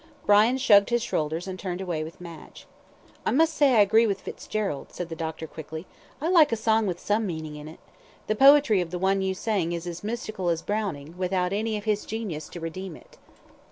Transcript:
Brian shrugged his shoulders, and turned away with Madge. "I must say I agree with Fitzgerald," said the doctor, quickly. "I like a song with some meaning in it. The poetry of the one you sang is as mystical as Browning, without any of his genius to redeem it."